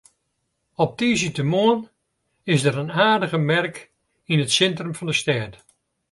Op tiisdeitemoarn is der in aardige merk yn it sintrum fan de stêd.